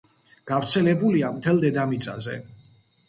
გავრცელებულია მთელ დედამიწაზე.